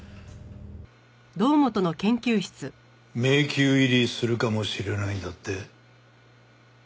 迷宮入りするかもしれないんだって？